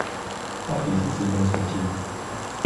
倒底是紙本手機